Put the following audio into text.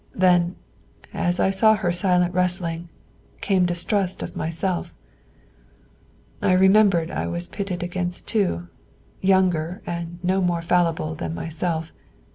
Then, as I saw her silent wrestling, came distrust of myself; I remembered I was pitted against two, younger and no more fallible than myself.